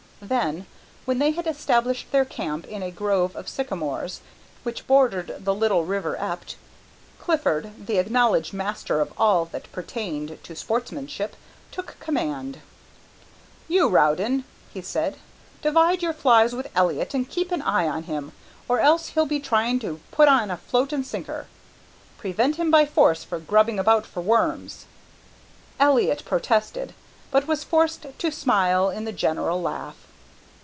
Then, when they had established their camp in a grove of sycamores which bordered the little river Ept, Clifford, the acknowledged master of all that pertained to sportsmanship, took command. "You, Rowden," he said, "divide your flies with Elliott and keep an eye on him or else he'll be trying to put on a float and sinker. Prevent him by force from grubbing about for worms." Elliott protested, but was forced to smile in the general laugh.